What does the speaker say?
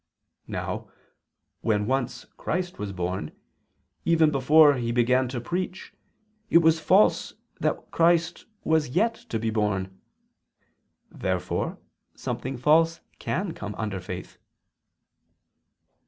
Now, when once Christ was born, even before He began to preach, it was false that Christ was yet to be born. Therefore something false can come under faith.